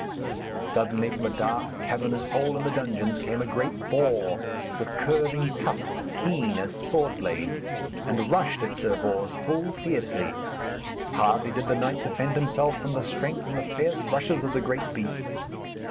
Suddenly, from a dark cavernous hole in the dungeons, came a great boar, with curving tusks keen as sword blades, and rushed at Sir Bors full fiercely. Hardily did the knight defend himself from the strength and the fierce rushes of the great beast.